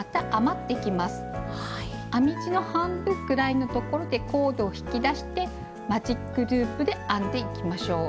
編み地の半分ぐらいのところでコードを引き出してマジックループで編んでいきましょう。